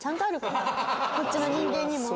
こっちの人間にも。